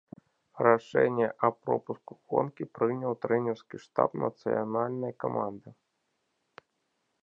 Рашэнне аб пропуску гонкі прыняў трэнерскі штаб нацыянальнай каманды.